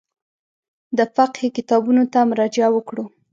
د فقهي کتابونو ته مراجعه وکړو.